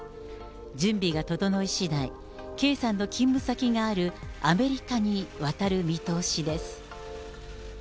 準備が整いしだい、圭さんの勤務先があるアメリカに渡る見通しです。